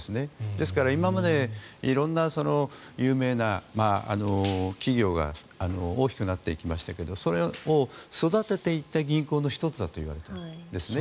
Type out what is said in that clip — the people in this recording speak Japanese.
ですから、今まで色んな有名な企業が大きくなっていきましたがそれを育てていった銀行の１つだといわれているんですね。